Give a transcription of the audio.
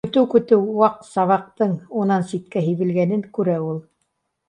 Көтөү-көтөү ваҡ сабаҡтың унан ситкә һибелгәнен күрә ул